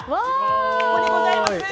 ここにございます！